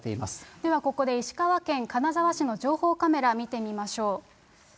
ではここで石川県金沢市の情報カメラ見てみましょう。